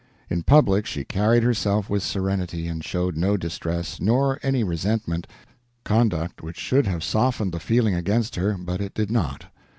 In public she carried herself with serenity, and showed no distress, nor any resentment—conduct which should have softened the feeling against her, but it did not.